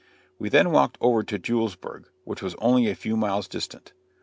We then walked over to Julesburg, which was only a few miles distant.